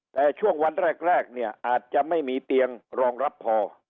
แต่ช่วงวันแรกเนี่ยอาจจะไม่มีเตียงรองรับพอ